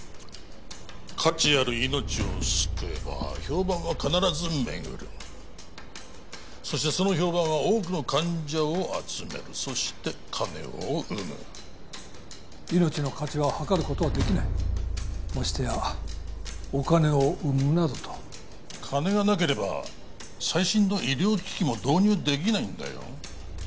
価値ある命を救えば評判は必ず巡るそしてその評判は多くの患者を集めるそして金を生む命の価値ははかることはできないましてやお金を生むなどと金がなければ最新の医療機器も導入できないんだよ